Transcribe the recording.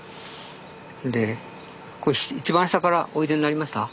それでこれ一番下からおいでになりました？